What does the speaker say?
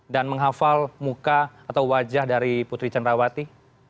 dan menghafal muka atau wajah dari putri cenrawati